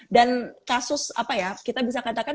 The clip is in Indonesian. dan kasus apa ya kita bisa katakan